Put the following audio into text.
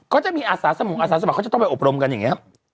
ก็จะมีอาสาสมัครอาสาสมัครเขาจะต้องไปอบรมกันอย่างนี้